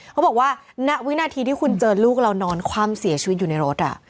หัวหน้าวินาทีที่คุณเจอลูกเรานอนคว่ำเสียชีวิตอยู่ในรถ